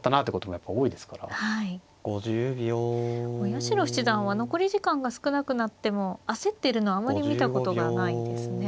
八代七段は残り時間が少なくなっても焦ってるのをあまり見たことがないですね。